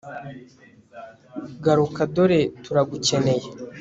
garuka dore turagukeneye